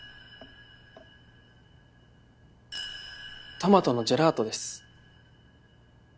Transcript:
トマトのジェラートです。